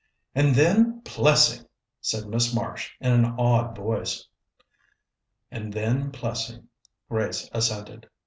"And then Plessing!" said Miss Marsh in an awed voice. "And then Plessing," Grace assented.